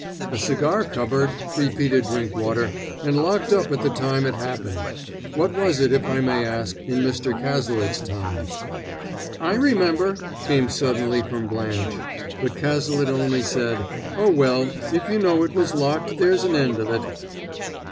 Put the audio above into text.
"A cigar cupboard," repeated Drinkwater, "and locked up at the time it happened. What was it, if I may ask, in Mr. Cazalet's time?" "I remember!" came suddenly from Blanche; but Cazalet only said, "Oh, well, if you know it was locked there's an end of it."